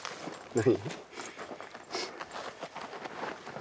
何？